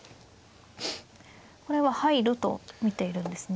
これは入ると見ているんですね